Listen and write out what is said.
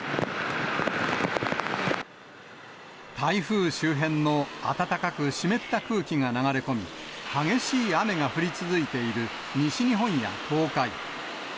台風周辺の暖かく湿った空気が流れ込み、激しい雨が降り続いている西日本や東海。